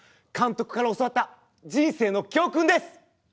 監督から教わった人生の教訓です。